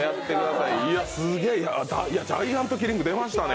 ジャイアントキリング出ましたね。